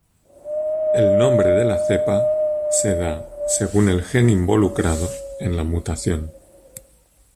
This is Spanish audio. El nombre de la cepa se da según el gen involucrado en la mutación.